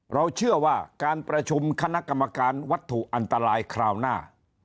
เราเชื่อว่าการประชุมคณะกรรมการวัตถุอันตรายคราวหน้า